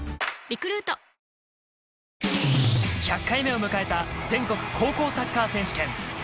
１００回目を迎えた全国高校サッカー選手権。